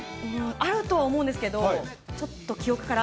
あるとは思うんですけど、ちょっと記憶から。